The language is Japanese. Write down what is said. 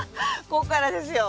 ここからですよ。